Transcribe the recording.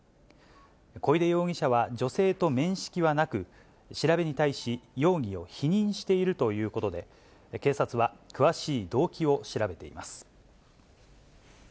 小出容疑者は女性と面識はなく、調べに対し容疑を否認しているということで、警察は、詳しい動機を調べています。